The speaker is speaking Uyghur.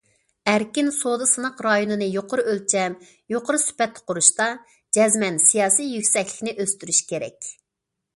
ئەركىن سودا سىناق رايونىنى يۇقىرى ئۆلچەم، يۇقىرى سۈپەتتە قۇرۇشتا، جەزمەن سىياسىي يۈكسەكلىكنى ئۆستۈرۈش كېرەك.